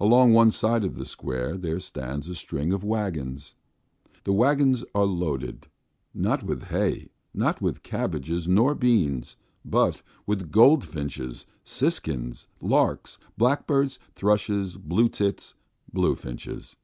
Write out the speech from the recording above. Along one side of the square there stands a string of waggons. The waggons are loaded, not with hay, not with cabbages, nor with beans, but with goldfinches, siskins, larks, blackbirds and thrushes, bluetits, bullfinches.